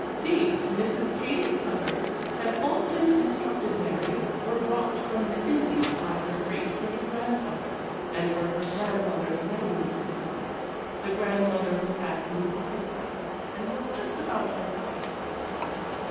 These, Mrs. Katy Scudder had often instructed Mary, were brought from the Indies by her great great grandfather, and were her grandmother's wedding curtains,—the grandmother who had blue eyes like hers, and was just about her height.